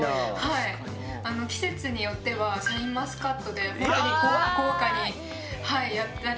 季節によってはシャインマスカットでほんとに豪華にやったり。